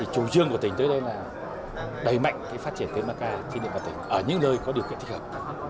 chủ trương của tỉnh tới đây là đẩy mạnh phát triển cây maca trên địa bàn tỉnh ở những nơi có điều kiện thích hợp